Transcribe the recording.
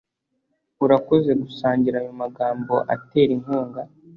Urakoze gusangira ayo magambo atera inkunga.